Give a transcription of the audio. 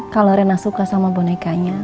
kalau rena suka sama bonekanya